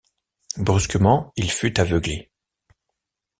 Brusquement, il fut aveuglé.